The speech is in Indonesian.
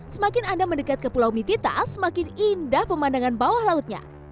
semakin anda mendekat ke pulau mitita semakin indah pemandangan bawah lautnya